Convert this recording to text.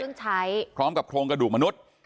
ของเครื่องใช้พร้อมกับโครงกระดูกมนุษย์